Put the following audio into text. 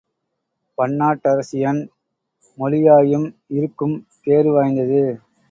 பன்னாட்டரசியன் மொழியாயும், இருக்கும் பேறு வாய்ந்தது.